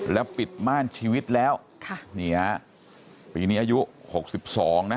แล้วปิดม่านชีวิตแล้วค่ะนี่ฮะปีนี้อายุหกสิบสองนะ